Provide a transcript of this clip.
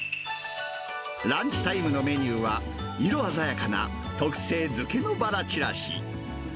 ランチタイムのメニューは、色鮮やかな特製ヅケのばらちらし。